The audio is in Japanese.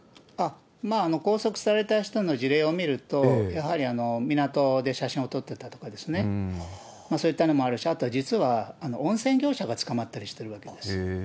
拘束された人の事例を見ると、やはり港で写真を撮ってたとか、そういったのもあるし、あと実は、温泉業者が捕まったりしてるわけですよね。